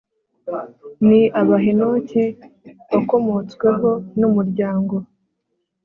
Ni aba henoki wakomotsweho n umuryango